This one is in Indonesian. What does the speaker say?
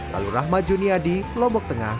lalu rahmat juniadi lombok tengah